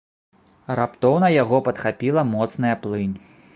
Раптоўна яго падхапіла моцная плынь.